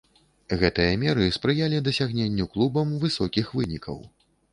Гэтыя меры спрыялі дасягненню клубам высокіх вынікаў.